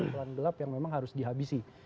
pukulan gelap yang memang harus dihabisi